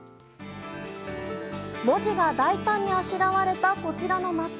文字が大胆にあしらわれたこちらのバッグ。